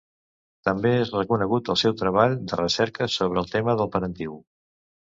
També és reconegut el seu treball de recerca sobre el tema del parentiu.